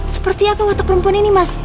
seperti apa watak perempuan ini mas